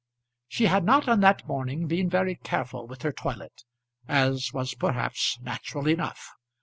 She had not on that morning been very careful with her toilet, as was perhaps natural enough.